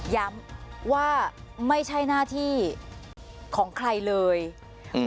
ย้ำว่าไม่ใช่หน้าที่ของใครเลยอืม